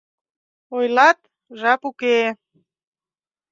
Ойлат, жап уке.